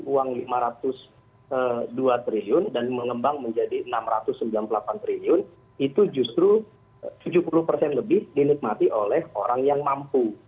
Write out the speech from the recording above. uang lima ratus dua triliun dan mengembang menjadi rp enam ratus sembilan puluh delapan triliun itu justru tujuh puluh persen lebih dinikmati oleh orang yang mampu